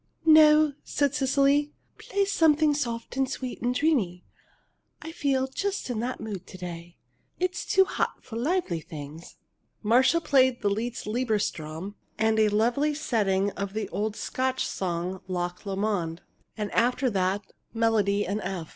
"No," said Cecily. "Play something soft and sweet and dreamy. I feel just in that mood to day. It's too hot for lively things." Marcia played the Liszt "Liebestraum," and a lovely setting of the old Scotch song "Loch Lomond," and after that the "Melody in F."